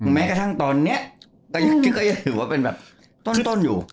แม้กระทั่งตอนเนี้ยก็ยังคิดก็ยังถือว่าเป็นแบบต้นต้นอยู่